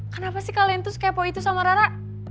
kenapa sih kalian tuh skepo itu sama rara